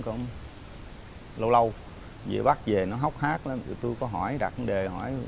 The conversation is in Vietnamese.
quay vào nhà mới rồi